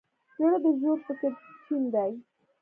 زړه د ژور فکر چین دی.